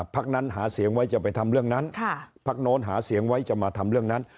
พักนั้นหาเสียงไว้จะไปทำเรื่องนั้นพักโน้นหาเสียงไว้จะมาทำเรื่องนั้น